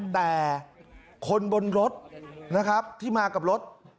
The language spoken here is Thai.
แต่คนบนรถนะครับที่มากับรถ